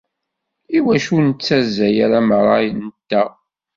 Iwacu ur nettazzal ara merra-nteɣ?